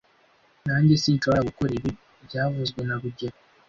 Nanjye sinshobora gukora ibi byavuzwe na rugero